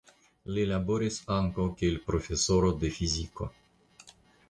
Li laboris ankaŭ kiel profesoro de fiziko.